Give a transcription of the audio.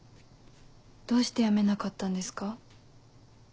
どうして辞めなかったんですか？